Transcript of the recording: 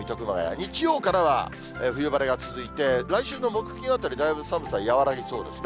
日曜からは冬晴れが続いて、来週の木、金あたり、だいぶ寒さ和らぎそうですね。